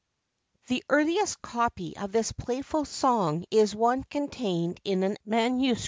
[THE earliest copy of this playful song is one contained in a MS.